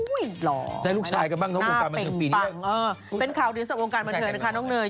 อุ๊ยหล่อหน้าเป็นปังเออเป็นข่าวถึงสักวงการบันเทิงนะคะน้องเนย